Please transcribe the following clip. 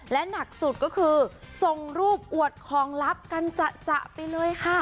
และหนักสุดก็คือส่งรูปอวดของลับกันจะไปเลยค่ะ